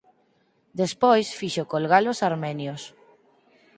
Despois fixo colga-los armenios.